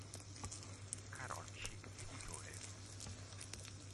Carocci Editore.